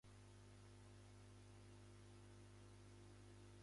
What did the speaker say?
どうしたら次へ進めるんだろう